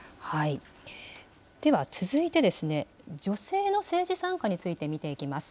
では続いてですね、女性の政治参加について見ていきます。